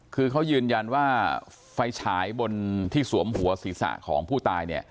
คือเขายืนยันว่าไฟฉายบนที่สวมหัวศีรษะของผู้ตายเนี่ย